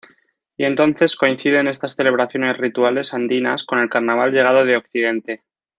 Y entonces coinciden estas celebraciones rituales andinas con el carnaval llegado de occidente.